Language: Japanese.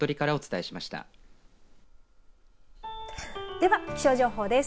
では、気象情報です。